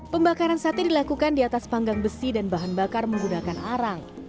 pembakaran sate dilakukan di atas panggang besi dan bahan bakar menggunakan arang